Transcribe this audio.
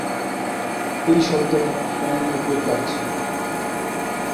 এই শব্দটা কেমন অদ্ভুত লাগছে।